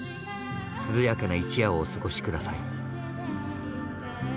涼やかな一夜をお過ごし下さい。